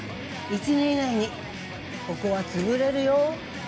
１年以内に、ここは潰れるよ。